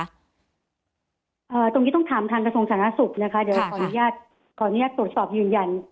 ตรงนี้ต้องถามทางกระทรวงสาธารณสุขนะคะเดี๋ยวขออนุญาตขออนุญาตตรวจสอบยืนยัน